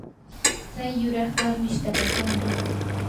tsay yuraq karnish takakunmi.